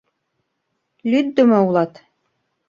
Лӱддымӧ улат.